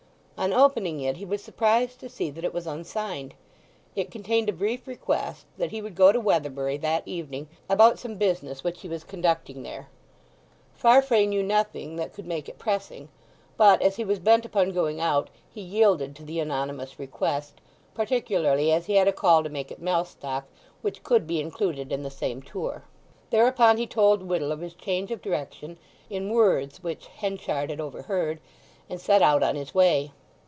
On opening it he was surprised to see that it was unsigned. It contained a brief request that he would go to Weatherbury that evening about some business which he was conducting there. Farfrae knew nothing that could make it pressing; but as he was bent upon going out he yielded to the anonymous request, particularly as he had a call to make at Mellstock which could be included in the same tour. Thereupon he told Whittle of his change of direction, in words which Henchard had overheard, and set out on his way.